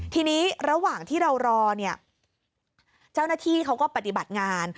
ทีนี้ระหว่างที่เรารอเนี่ยเจ้าหน้าที่เขาก็ปฏิบัติงาน